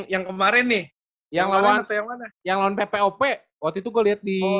yang kemarin nih yang lawan ppop waktu itu gue lihat di